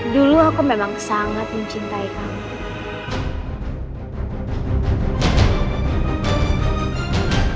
dulu aku memang sangat mencintai kamu